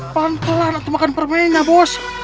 pelan pelan aku makan permennya bos